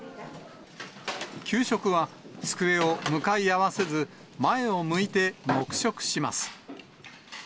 給食は机を向かい合わせず、前を向いて黙食します。